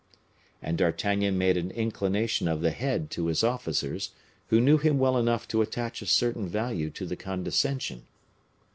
And D'Artagnan made an inclination of the head to his officers, who knew him well enough to attach a certain value to the condescension.